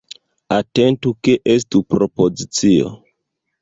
Atentu ke estu propozicio.